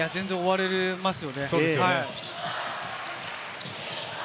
全然、終われますよね。